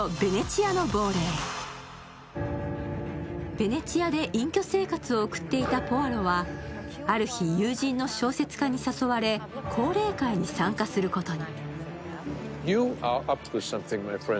ベネチアで隠居生活を送っていたポアロはある日、友人の小説家に誘われ降霊会に参加することに。